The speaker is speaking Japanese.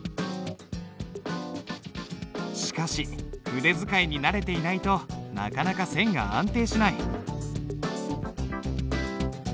しかし筆使いに慣れていないとなかなか線が安定しない。